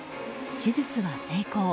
手術は成功。